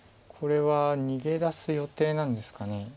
これは逃げ出す予定なんですかね。